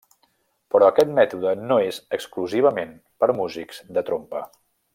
Però aquest mètode no és exclusivament per músics de trompa.